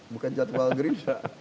bukan jadwal gerindra